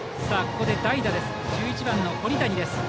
ここで代打１１番の堀谷です。